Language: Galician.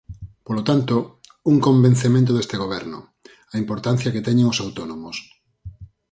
Polo tanto, un convencemento deste goberno: a importancia que teñen os autónomos.